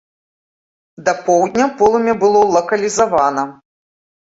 Да поўдня полымя было лакалізавана.